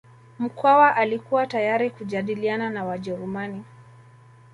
Mkwawa alikuwa tayari kujadiliana na Wajerumani